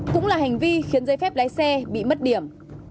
cũng là hành vi khiến giấy phép lái xe bị mất điểm